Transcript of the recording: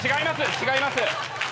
違います。